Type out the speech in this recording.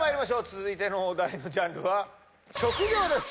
続いてのお題のジャンルは職業です！